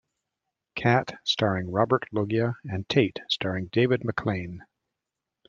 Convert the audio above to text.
Cat, starring Robert Loggia, and Tate starring David McLean.